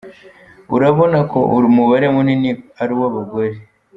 Urabona ko umubare munini ari uw’abagore!